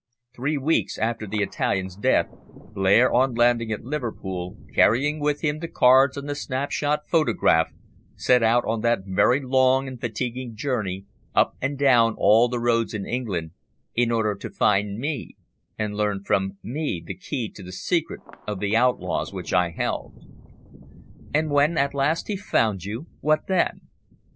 Three weeks after the Italian's death, Blair, on landing at Liverpool, carrying with him the cards and the snap shot photograph, set out on that very long and fatiguing journey up and down all the roads in England, in order to find me, and learn from me the key to the secret of the outlaws which I held." "And when at last he found you, what then?"